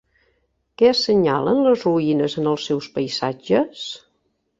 Què assenyalen les ruïnes en els seus paisatges?